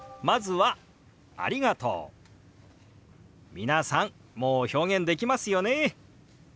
皆さんもう表現できますよね。